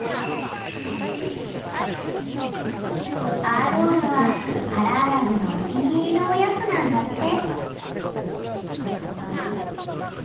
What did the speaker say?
アーロールはハラアラグのお気に入りのおやつなんだって。